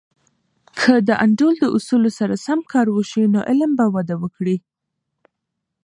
که د انډول د اصولو سره سم کار وسي، نو علم به وده وکړي.